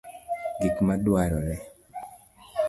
Gik ma dwarore;